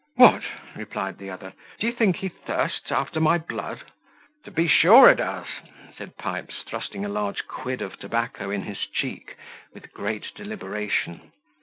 "What," replied the other, "d'ye think he thirsts after my blood?" "To be sure a does," said Pipes, thrusting a large quid of tobacco in his check, with great deliberation.